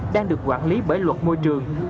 đang được quản lý bởi luật môi trường